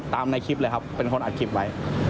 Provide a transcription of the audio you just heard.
ในคลิปเลยครับเป็นคนอัดคลิปไว้